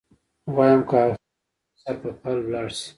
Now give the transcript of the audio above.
ويم که اغه د پروفيسر په پل لاړ شي.